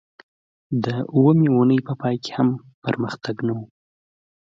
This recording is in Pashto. د اوومې اونۍ په پای کې هم پرمختګ نه و